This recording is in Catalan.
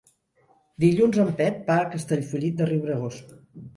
Dilluns en Pep va a Castellfollit de Riubregós.